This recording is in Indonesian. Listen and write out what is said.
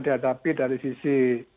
dihadapi dari sisi